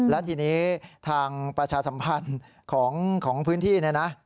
และทีนี้ทางประชาสัมพันธ์ของพื้นที่เนี่ยนะ